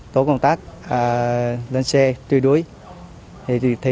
tổ công tác lên xe truy đuối